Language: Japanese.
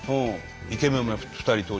イケメンも２人登場。